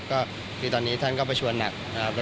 คือตอนนี้ท่านก็ประชวนหนัก